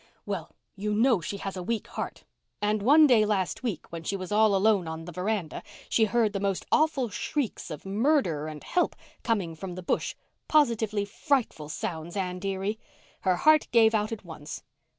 "Well, you know she has a weak heart. And one day last week, when she was all alone on the veranda, she heard the most awful shrieks of 'murder' and 'help' coming from the bush—positively frightful sounds, Anne dearie. Her heart gave out at once.